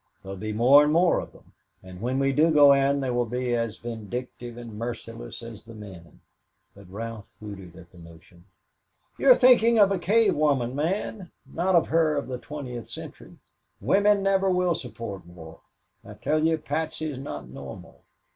There'll be more and more of them, and when we do go in they will be as vindictive and merciless as the men." But Ralph hooted at the notion. "You are thinking of a cave woman, Man not of her of the twentieth century. Women never will support war. I tell you, Patsy is not normal.